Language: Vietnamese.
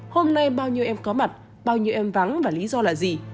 hôm nay bao nhiêu em có mặt bao nhiêu em vắng và lý do là gì